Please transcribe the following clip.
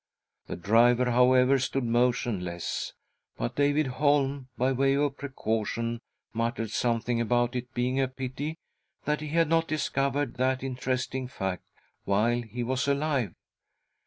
The driver, however, stood motionless, but David Holm, by way of precaution, muttered something about it being a pity that he had not discovered that interest ing fact while he was alive.